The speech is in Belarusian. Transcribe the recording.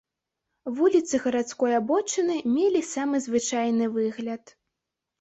Вуліцы гарадской абочыны мелі самы звычайны выгляд.